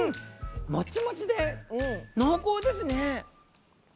もちもちで濃厚ですね。ね！